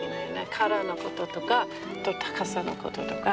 カラーのこととか高さのこととか。